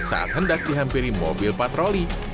saat hendak dihampiri mobil patroli